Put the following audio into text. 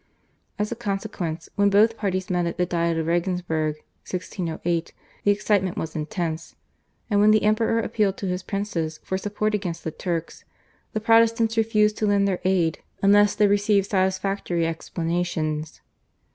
As a consequence when both parties met at the Diet of Regensburg (1608) the excitement was intense, and when the Emperor appealed to his princes for support against the Turks, the Protestants refused to lend their aid unless they received satisfactory explanations.